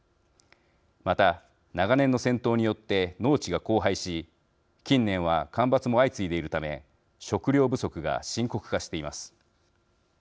また長年の戦闘によって農地が荒廃し近年は干ばつも相次いでいるため食料不足が深刻化しています。